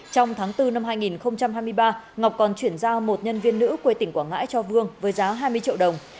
trong tháng bốn năm hai nghìn hai mươi ba ngọc còn chuyển giao một nhân viên nữ quê tỉnh quảng ngãi cho vương với giá hai mươi triệu đồng